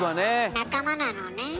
仲間なのね。